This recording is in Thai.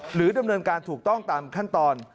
ดำเนินการถูกต้องตามขั้นตอน